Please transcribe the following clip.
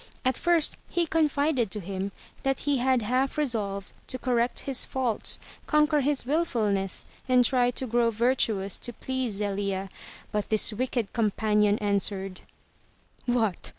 At first he confided to him that he had half resolved to correct his faults, conquer his wilfulness and try to grow virtuous to please Zelia, but this wicked companion answered: "What!